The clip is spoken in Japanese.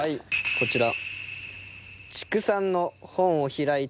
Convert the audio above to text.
こちら。